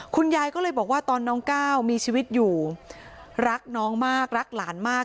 คุณยายก็เลยบอกว่าตอนน้องก้าวมีชีวิตอยู่รักน้องมากรักหลานมาก